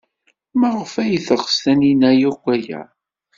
Maɣef ay teɣs Taninna akk aya?